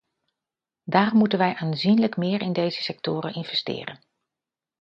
Daarom moeten wij aanzienlijk meer in deze sectoren investeren.